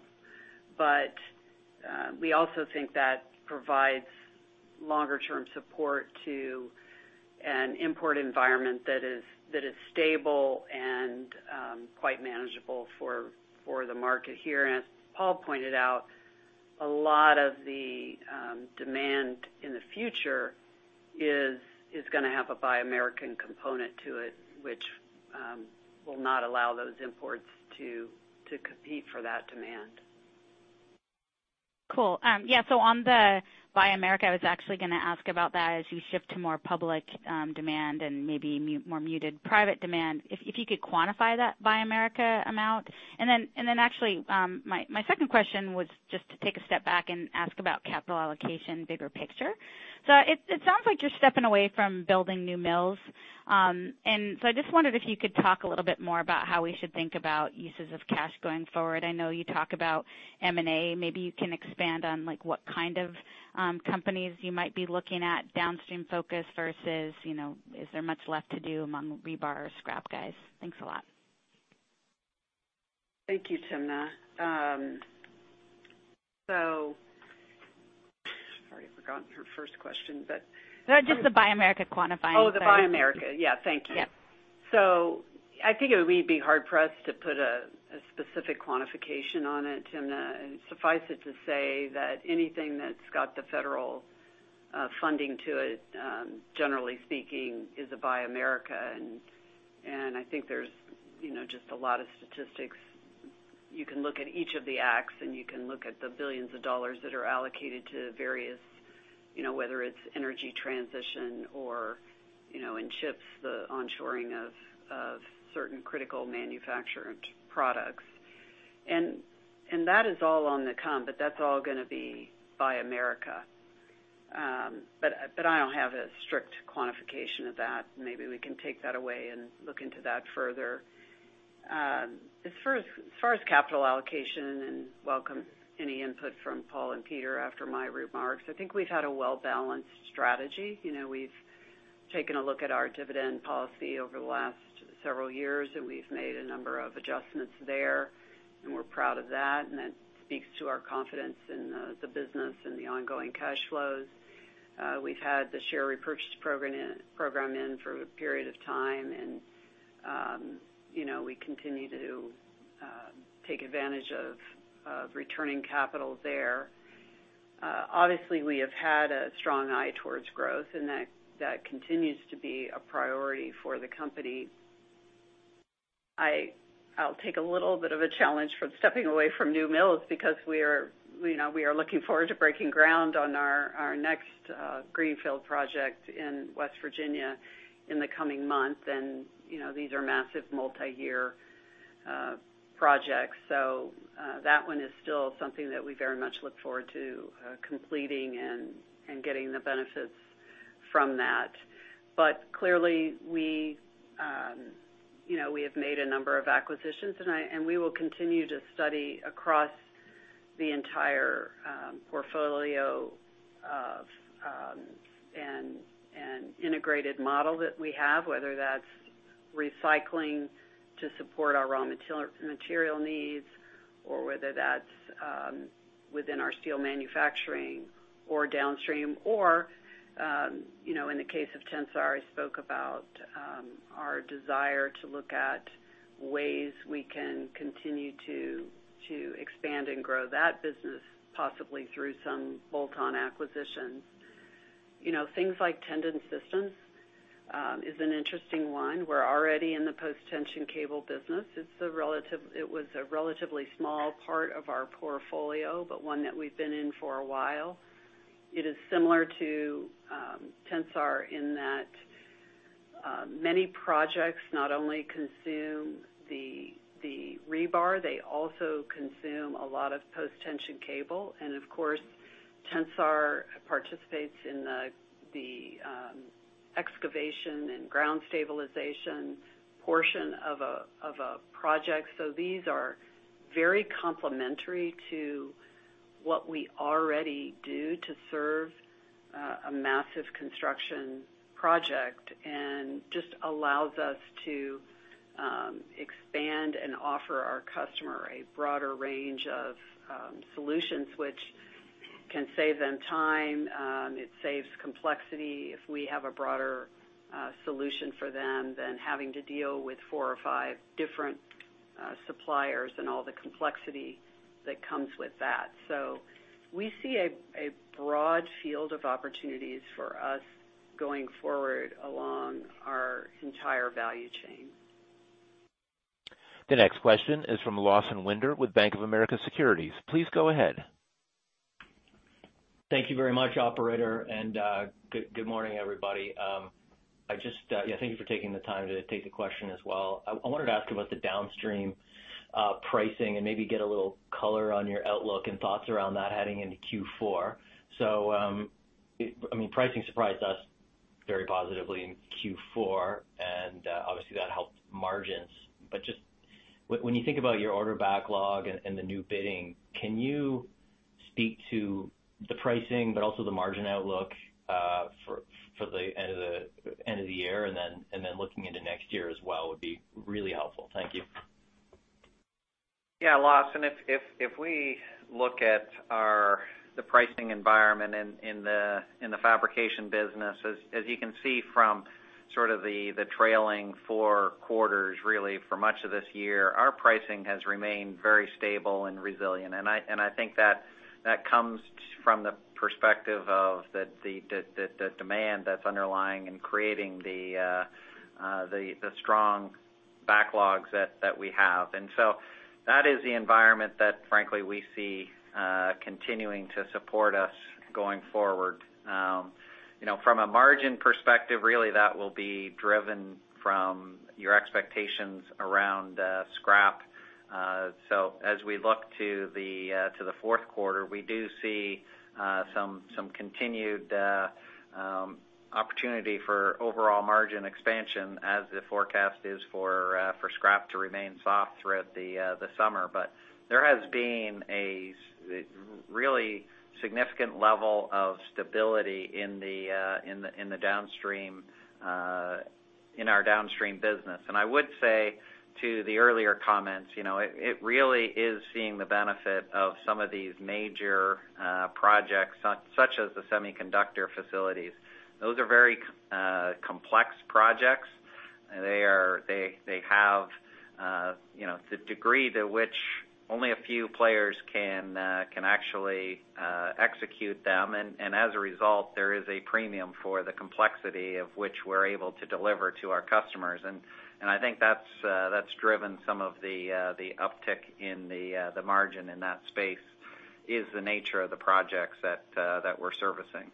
Speaker 2: We also think that provides longer-term support to an import environment that is stable and quite manageable for the market here. As Paul pointed out, a lot of the demand in the future is gonna have a Buy American component to it, which will not allow those imports to compete for that demand.
Speaker 6: Cool. So on the Buy America, I was actually gonna ask about that as you shift to more public demand and maybe more muted private demand. If you could quantify that Buy America amount. Actually, my second question was just to take a step back and ask about capital allocation, bigger picture. It sounds like you're stepping away from building new mills. I just wondered if you could talk a little bit more about how we should think about uses of cash going forward. I know you talk about M&A. Maybe you can expand on, like, what kind of companies you might be looking at, downstream-focused versus, you know, is there much left to do among rebar or scrap guys? Thanks a lot.
Speaker 2: Thank you, Timna. Sorry, I've forgotten your first question...
Speaker 6: Just the Buy America quantifying.
Speaker 2: Oh, the Buy America. Yeah, thank you.
Speaker 6: Yep.
Speaker 2: I think we'd be hard pressed to put a specific quantification on it, Timna. Suffice it to say that anything that's got the federal funding to it, generally speaking, is a Buy America. I think there's, you know, just a lot of statistics. You can look at each of the acts, and you can look at the billions of dollars that are allocated to various, you know, whether it's energy transition or, you know, in chips, the onshoring of certain critical manufactured products. That is all on the come, but that's all gonna be Buy America. But I don't have a strict quantification of that. Maybe we can take that away and look into that further. As far as capital allocation, and welcome any input from Paul and Peter after my remarks, I think we've had a well-balanced strategy. You know, we've taken a look at our dividend policy over the last several years, and we've made a number of adjustments there, and we're proud of that, and that speaks to our confidence in the business and the ongoing cash flows. We've had the share repurchase program in for a period of time, and, you know, we continue to take advantage of returning capital there. Obviously, we have had a strong eye towards growth, and that continues to be a priority for the company. I'll take a little bit of a challenge from stepping away from new mills because we are, you know, we are looking forward to breaking ground on our next greenfield project in West Virginia in the coming months. You know, these are massive multiyear projects. That one is still something that we very much look forward to completing and getting the benefits from that. Clearly, we, you know, we have made a number of acquisitions, and we will continue to study across the entire portfolio of, and integrated model that we have, whether that's recycling to support our raw material needs or whether that's within our steel manufacturing or downstream, or, you know, in the case of Tensar, I spoke about our desire to look at ways we can continue to expand and grow that business, possibly through some bolt-on acquisitions. You know, things like Tendon Systems is an interesting one. We're already in the post-tension cable business. It was a relatively small part of our portfolio, but one that we've been in for a while. It is similar to Tensar in that many projects not only consume the rebar, they also consume a lot of post-tension cable. Of course, Tensar participates in the excavation and ground stabilization portion of a project. These are very complementary to what we already do to serve a massive construction project, and just allows us to expand and offer our customer a broader range of solutions, which can save them time. It saves complexity if we have a broader solution for them than having to deal with 4 or 5 different suppliers and all the complexity that comes with that. We see a broad field of opportunities for us going forward along our entire value chain.
Speaker 1: The next question is from Lawson Winder with Bank of America Securities. Please go ahead.
Speaker 7: Thank you very much, operator, and good morning, everybody. I just, yeah, thank you for taking the time to take the question as well. I wanted to ask about the downstream pricing and maybe get a little color on your outlook and thoughts around that heading into the Q4. I mean, pricing surprised us very positively in Q4, and obviously, that helped margins. When you think about your order backlog and the new bidding, can you speak to the pricing, but also the margin outlook for the end of the year, and then looking into next year as well, would be really helpful. Thank you.
Speaker 4: Yeah, Lawson, if we look at the pricing environment in the fabrication business, as you can see from sort of the trailing four quarters, really, for much of this year, our pricing has remained very stable and resilient. I think that comes from the perspective of that the demand that's underlying and creating the strong backlogs that we have. That is the environment that, frankly, we see continuing to support us going forward. You know, from a margin perspective, really, that will be driven from your expectations around scrap. As we look to the fourth quarter, we do see some continued opportunity for overall margin expansion as the forecast is for scrap to remain soft throughout the summer. There has been a really significant level of stability in the downstream, in our downstream business. I would say to the earlier comments, you know, it really is seeing the benefit of some of these major projects, such as the semiconductor facilities. Those are very complex projects. They have, you know, the degree to which only a few players can actually execute them. As a result, there is a premium for the complexity of which we're able to deliver to our customers. I think that's driven some of the uptick in the margin in that space, is the nature of the projects that we're servicing.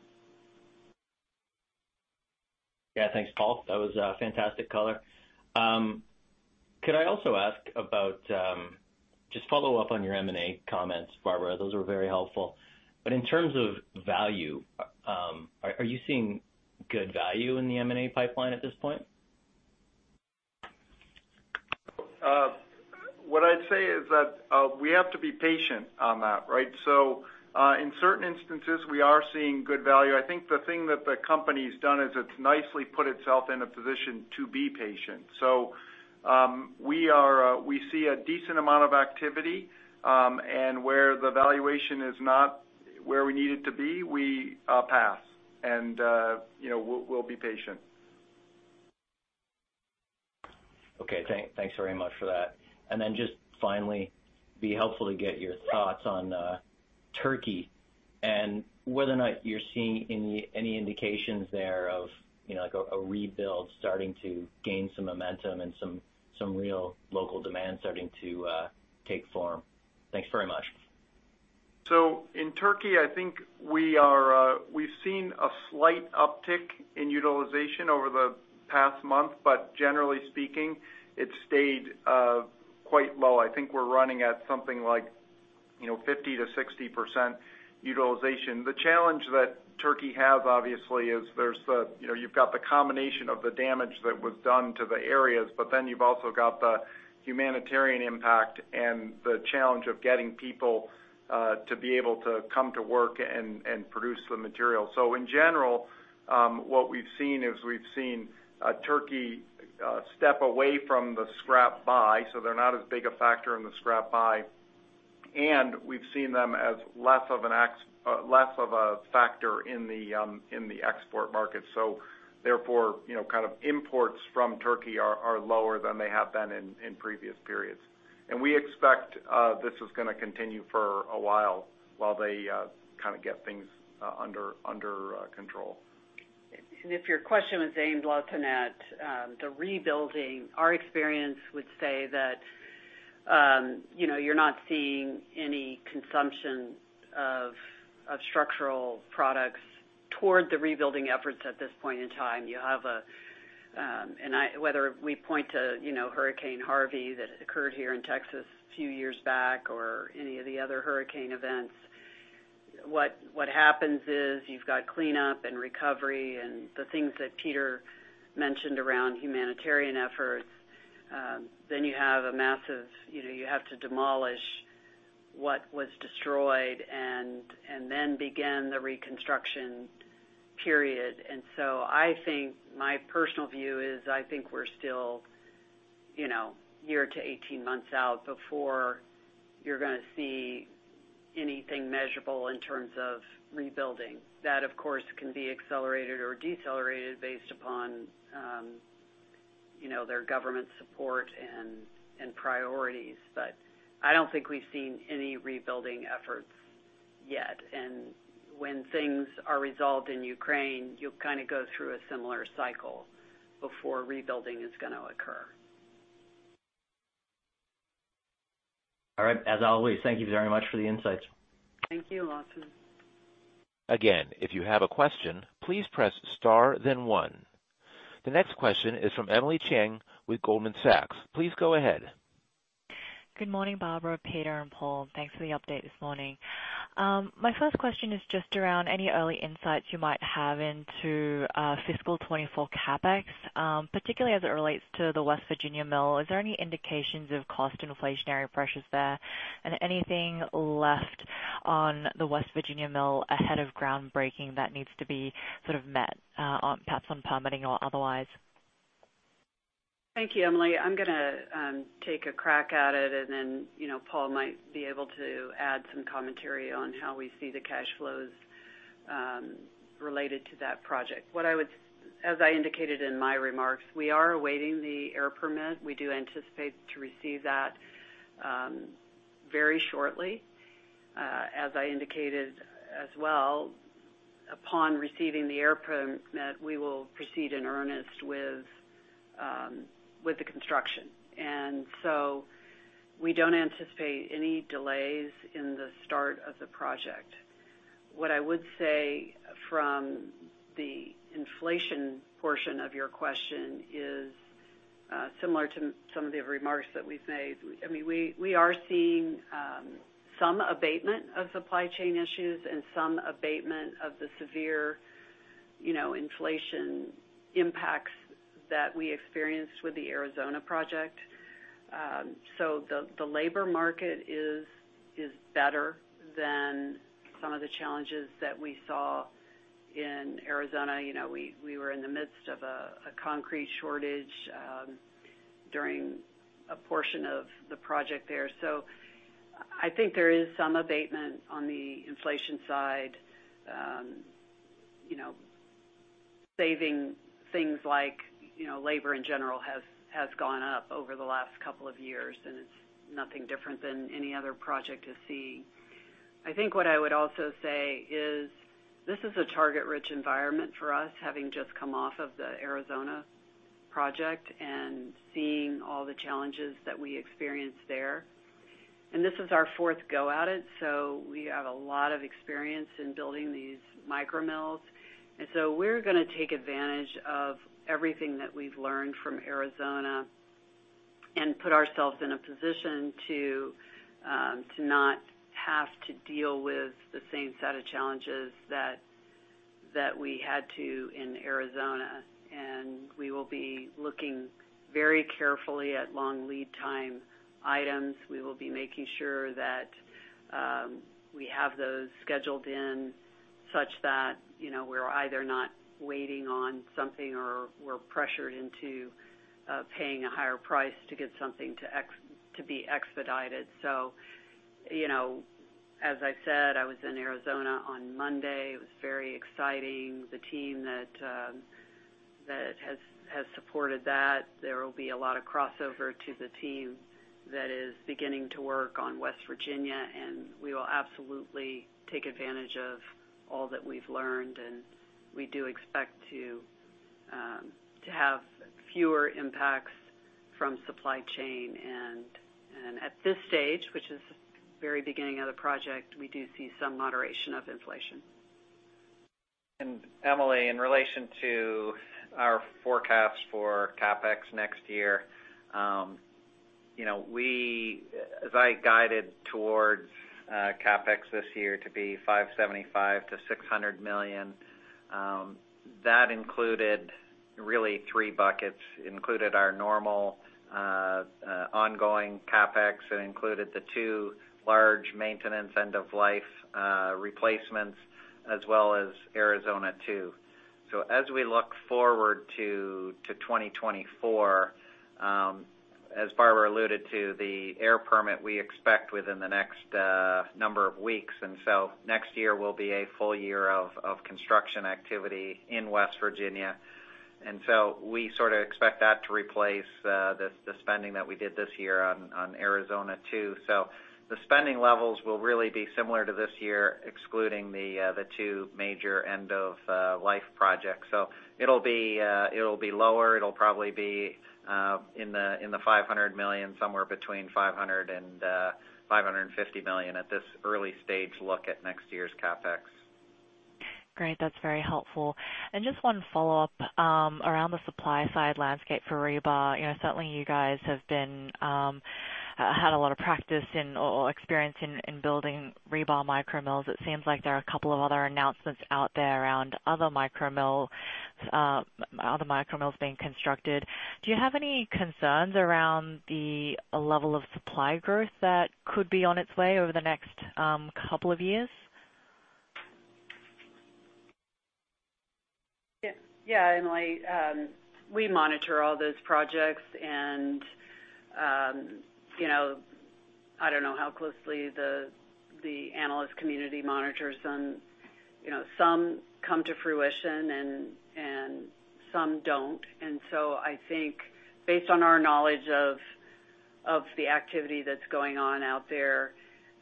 Speaker 7: Yeah. Thanks, Paul. That was fantastic color. Just follow up on your M&A comments, Barbara, those were very helpful. In terms of value, are you seeing good value in the M&A pipeline at this point?
Speaker 3: What I'd say is that we have to be patient on that, right? In certain instances, we are seeing good value. I think the thing that the company's done is it's nicely put itself in a position to be patient. We are, we see a decent amount of activity, and where the valuation is not where we need it to be, we pass. You know, we'll be patient.
Speaker 7: Okay. Thanks very much for that. Just finally, it'd be helpful to get your thoughts on Turkey and whether or not you're seeing any indications there of, you know, like a rebuild starting to gain some momentum and some real local demand starting to take form? Thanks very much.
Speaker 3: In Turkey, I think we are, we've seen a slight uptick in utilization over the past month, but generally speaking, it's stayed quite low. I think we're running at something like, you know, 50%-60% utilization. The challenge that Turkey has, obviously, is there's the, you know, you've got the combination of the damage that was done to the areas, but then you've also got the humanitarian impact and the challenge of getting people to be able to come to work and produce the material. In general, what we've seen is we've seen Turkey step away from the scrap buy, so they're not as big a factor in the scrap buy, and we've seen them as less of a factor in the export market. You know, kind of imports from Turkey are lower than they have been in previous periods. We expect this is gonna continue for a while they kind of get things under control.
Speaker 2: If your question was aimed, Lawson, at the rebuilding, our experience would say that, you know, you're not seeing any consumption of structural products toward the rebuilding efforts at this point in time. You have a, whether we point to, you know, Hurricane Harvey, that occurred here in Texas a few years back, or any of the other hurricane events, what happens is you've got cleanup and recovery and the things that Peter mentioned around humanitarian efforts. You have a massive, you know, you have to demolish what was destroyed and then begin the reconstruction period. I think my personal view is, I think we're still, you know, year to 18 months out before you're gonna see anything measurable in terms of rebuilding. That, of course, can be accelerated or decelerated based upon, you know, their government support and priorities. I don't think we've seen any rebuilding efforts yet. When things are resolved in Ukraine, you'll kind of go through a similar cycle before rebuilding is gonna occur.
Speaker 7: All right. As always, thank you very much for the insights.
Speaker 2: Thank you, Lawson.
Speaker 1: Again, if you have a question, please press star then one. The next question is from Emily Chieng with Goldman Sachs. Please go ahead.
Speaker 8: Good morning, Barbara, Peter, and Paul. Thanks for the update this morning. My first question is just around any early insights you might have into fiscal 2024 CapEx, particularly as it relates to the West Virginia mill. Is there any indications of cost inflationary pressures there? Anything left on the West Virginia mill ahead of groundbreaking that needs to be sort of met, perhaps on permitting or otherwise?
Speaker 2: Thank you, Emily. I'm gonna take a crack at it, and then, you know, Paul might be able to add some commentary on how we see the cash flows related to that project. As I indicated in my remarks, we are awaiting the air permit. We do anticipate to receive that very shortly. As I indicated as well, upon receiving the air permit, we will proceed in earnest with the construction. We don't anticipate any delays in the start of the project. What I would say, from the inflation portion of your question, is similar to some of the remarks that we've made. I mean, we are seeing some abatement of supply chain issues and some abatement of the severe, you know, inflation impacts that we experienced with the Arizona project. The labor market is better than some of the challenges that we saw in Arizona. You know, we were in the midst of a concrete shortage during a portion of the project there. I think there is some abatement on the inflation side. You know, saving things like, you know, labor in general has gone up over the last couple of years, and it's nothing different than any other project is seeing. I think what I would also say is, this is a target-rich environment for us, having just come off of the Arizona project and seeing all the challenges that we experienced there. This is our fourth go at it, so we have a lot of experience in building these micro mills. We're gonna take advantage of everything that we've learned from Arizona and put ourselves in a position to not have to deal with the same set of challenges that we had to in Arizona. We will be looking very carefully at long lead time items. We will be making sure that, you know, we have those scheduled in such that we're either not waiting on something or we're pressured into paying a higher price to get something to be expedited. You know, as I said, I was in Arizona on Monday. It was very exciting. The team that has supported that, there will be a lot of crossover to the team that is beginning to work on West Virginia, and we will absolutely take advantage of all that we've learned, and we do expect to have fewer impacts from supply chain. At this stage, which is the very beginning of the project, we do see some moderation of inflation.
Speaker 4: Emily, in relation to our forecast for CapEx next year, you know, as I guided towards CapEx this year to be $575-$600 million, that included really three buckets. It included our normal ongoing CapEx. It included the two large maintenance end-of-life replacements, as well as Arizona 2. As we look forward to 2024, as Barbara alluded to, the air permit, we expect within the next number of weeks. Next year will be a full year of construction activity in West Virginia. We sort of expect that to replace the spending that we did this year on Arizona 2. The spending levels will really be similar to this year, excluding the two major end-of-life projects. It'll be lower. It'll probably be in the $500 million, somewhere between $500 million and $550 million at this early stage look at next year's CapEx.
Speaker 8: Great, that's very helpful. Just one follow-up around the supply side landscape for rebar. You know, certainly you guys have been had a lot of practice in or experience in building rebar micro mills. It seems like there are a couple of other announcements out there around other micro mills being constructed. Do you have any concerns around the level of supply growth that could be on its way over the next couple of years?
Speaker 2: Yeah, Emily, we monitor all those projects and, you know, I don't know how closely the analyst community monitors them. You know, some come to fruition and some don't. I think based on our knowledge of the activity that's going on out there,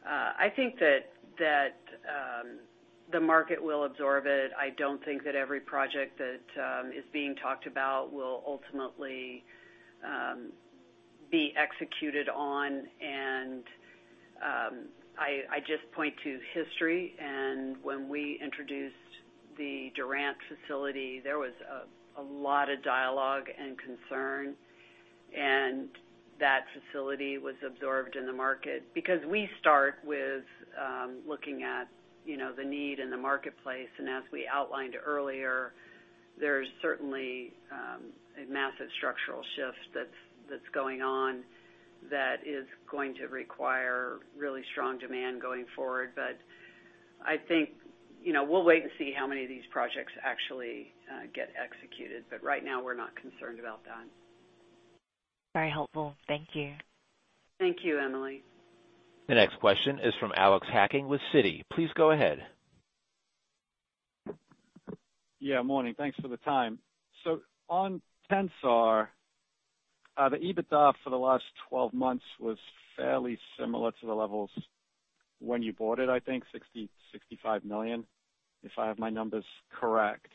Speaker 2: I think that the market will absorb it. I don't think that every project that is being talked about will ultimately be executed on. I just point to history, and when we introduced the Durant facility, there was a lot of dialogue and concern, and that facility was absorbed in the market. We start with, looking at, you know, the need in the marketplace, and as we outlined earlier, there's certainly a massive structural shift that's going on that is going to require really strong demand going forward. I think, you know, we'll wait to see how many of these projects actually get executed, but right now, we're not concerned about that.
Speaker 8: Very helpful. Thank you.
Speaker 2: Thank you, Emily.
Speaker 1: The next question is from Alex Hacking with Citi. Please go ahead.
Speaker 9: Morning. Thanks for the time. On Tensar, the EBITDA for the last 12 months was fairly similar to the levels when you bought it, I think $60-$65 million, if I have my numbers correct.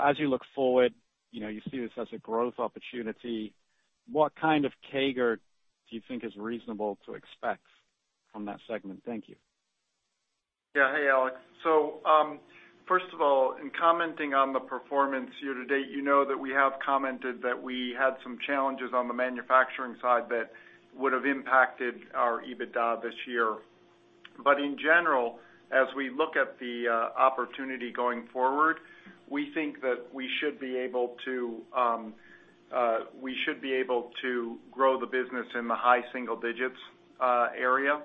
Speaker 9: As you look forward, you know, you see this as a growth opportunity. What kind of CAGR do you think is reasonable to expect from that segment? Thank you.
Speaker 3: Yeah. Hey, Alex. First of all, in commenting on the performance year to date, you know that we have commented that we had some challenges on the manufacturing side that would have impacted our EBITDA this year. In general, as we look at the opportunity going forward, we think that we should be able to grow the business in the high single digits area.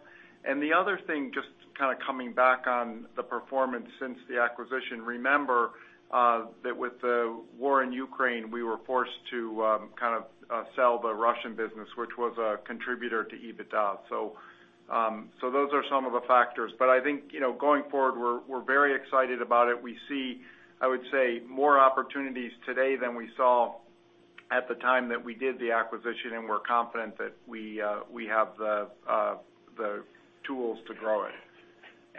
Speaker 3: The other thing, just kind of coming back on the performance since the acquisition, remember that with the war in Ukraine, we were forced to kind of sell the Russian business, which was a contributor to EBITDA. Those are some of the factors, but I think, you know, going forward, we're very excited about it. We see, I would say, more opportunities today than we saw at the time that we did the acquisition. We're confident that we have the tools to grow it.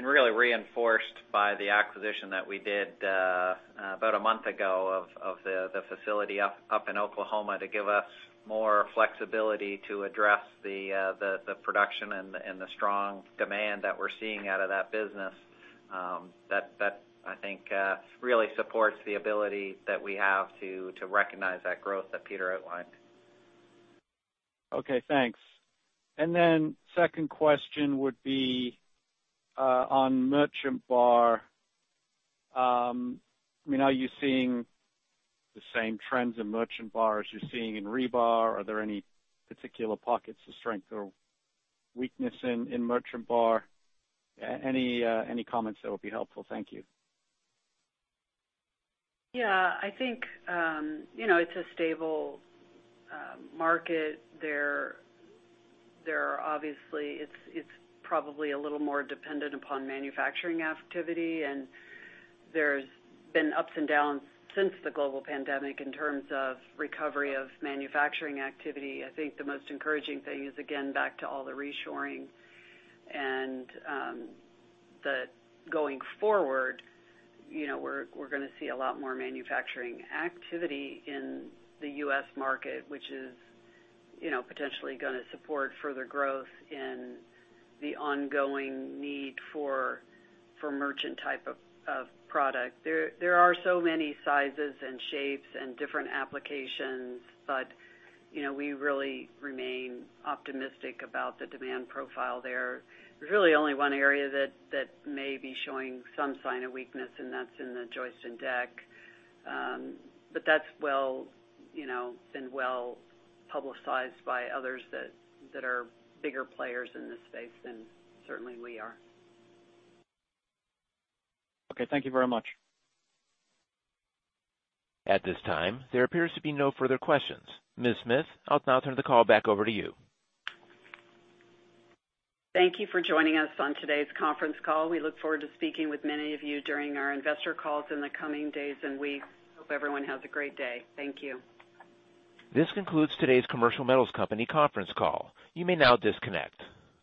Speaker 4: Really reinforced by the acquisition that we did, about a month ago of the facility up in Oklahoma to give us more flexibility to address the production and the strong demand that we're seeing out of that business. That, I think, really supports the ability that we have to recognize that growth that Peter outlined.
Speaker 9: Okay, thanks. Second question would be, on merchant bar. I mean, are you seeing the same trends in merchant bar as you're seeing in rebar? Are there any particular pockets of strength or weakness in merchant bar? Any comments that would be helpful? Thank you.
Speaker 2: Yeah, I think, you know, it's a stable market. It's probably a little more dependent upon manufacturing activity, and there's been ups and downs since the global pandemic in terms of recovery of manufacturing activity. I think the most encouraging thing is, again, back to all the reshoring and, going forward, you know, we're gonna see a lot more manufacturing activity in the US market, which is, you know, potentially gonna support further growth in the ongoing need for merchant type of product. There are so many sizes and shapes and different applications, but, you know, we really remain optimistic about the demand profile there. There's really only one area that may be showing some sign of weakness, and that's in the joist and deck. That's well, you know, been well publicized by others that are bigger players in this space than certainly we are.
Speaker 9: Okay, thank you very much.
Speaker 1: At this time, there appears to be no further questions. Ms. Smith, I'll now turn the call back over to you.
Speaker 2: Thank you for joining us on today's conference call. We look forward to speaking with many of you during our investor calls in the coming days and weeks. Hope everyone has a great day. Thank you.
Speaker 1: This concludes today's Commercial Metals Company conference call. You may now disconnect.